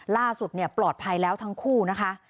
ล่าสุดปลอดภัยแล้วทั้งคู่นะคะ